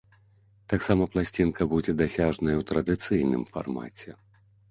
Таксама пласцінка будзе дасяжная ў традыцыйным фармаце.